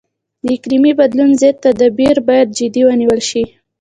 د اقلیمي بدلون ضد تدابیر باید جدي ونیول شي.